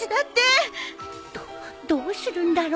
どっどうするんだろ？